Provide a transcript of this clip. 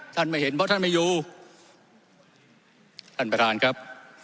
ไม่เห็นเพราะท่านไม่อยู่ท่านประธานครับ